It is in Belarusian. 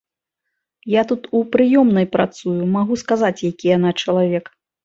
Я тут у прыёмнай працую, магу сказаць, які яна чалавек.